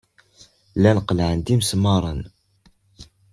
Llan qellɛen-d imesmaṛen.